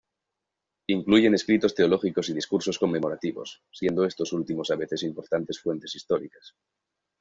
Incluyen escritos teológicos y discursos conmemorativos, siendo estos últimos a veces importantes fuentes históricas.